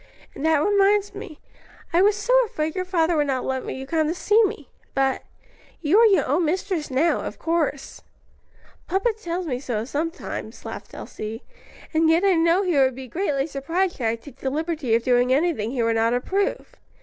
"And that reminds me; I was so afraid your father would not let you come to see me. But you are your own mistress now, of course." "Papa tells me so sometimes," laughed Elsie, "and yet I know he would be greatly surprised should I take the liberty of doing anything he would not approve.